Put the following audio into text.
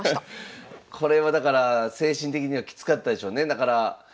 これはだから精神的にはきつかったでしょうね。